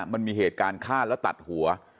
มันมีเหตุการณ์ฆ่าแล้วตัดหัว